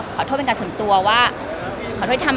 ขอโทษเป็นการส่งตัวว่า